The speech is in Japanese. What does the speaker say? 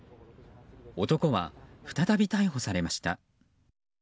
男は再び逮捕されました。